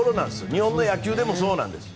日本の野球でもそうなんです。